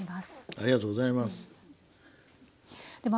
ありがとうございます。